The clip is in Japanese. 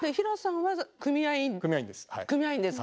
組合員です。